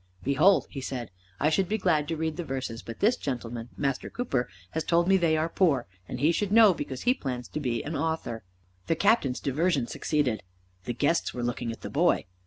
"Behold," he said, "I should be glad to read the verses, but this gentleman, Master Cooper, has told me they are poor, and he should know because he plans to be an author." The Captain's diversion succeeded. The guests were looking at the boy.